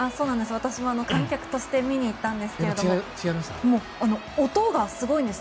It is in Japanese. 私も観客として見に行ったんですが音がすごいんです。